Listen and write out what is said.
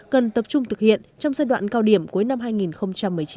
cần tập trung thực hiện trong giai đoạn cao điểm cuối năm hai nghìn một mươi chín